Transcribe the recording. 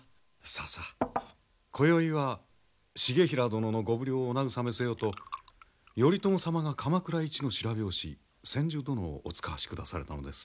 さあさあこよいは重衡殿のごぶりょうをお慰めせよと頼朝様が鎌倉一の白拍子千手殿をお遣わしくだされたのです。